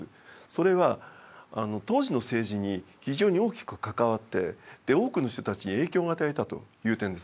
それは当時の政治に非常に大きく関わって多くの人たちに影響を与えたという点ですね。